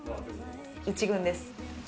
１軍です。